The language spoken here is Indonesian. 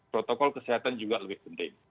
protokol kesehatan juga lebih penting